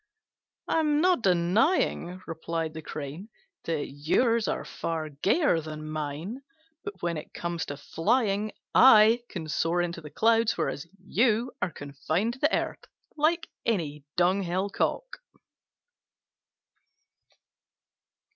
"I am not denying," replied the Crane, "that yours are far gayer than mine; but when it comes to flying I can soar into the clouds, whereas you are confined to the earth like any dunghill cock."